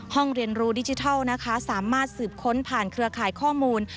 เรียนรู้ดิจิทัลนะคะสามารถสืบค้นผ่านเครือข่ายข้อมูล